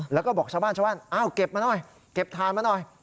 แล้วก็บอกชาวบ้านชาวบ้านอ้าวเก็บมาหน่อยเก็บถ่านมาหน่อย